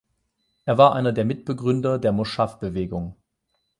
Er war einer der Mitbegründer der Moschaw-Bewegung.